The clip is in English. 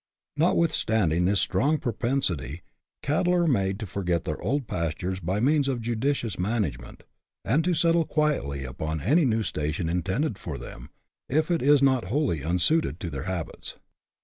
Notwithstanding this strong propensity, cattle are made to forget their old pastures by means of judicious management, and to settle quietly upon any new station intended for them, if it is not wholly unsuited to their habits.